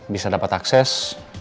bisa dapat akses